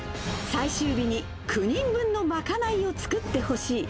最終日に９人分の賄いを作ってほしい。